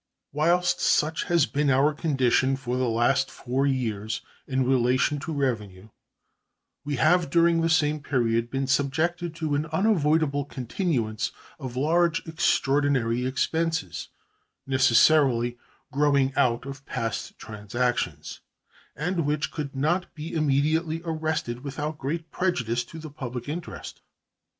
Whilst such has been our condition for the last four years in relation to revenue, we have during the same period been subjected to an unavoidable continuance of large extraordinary expenses necessarily growing out of past transactions, and which could not be immediately arrested without great prejudice to the public interest.